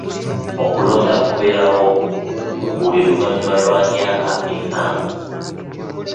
Okulonda kubeerawo buli luvanyuma lwa myaka ettaano.